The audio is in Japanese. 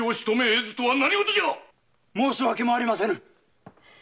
申し訳もありませぬ！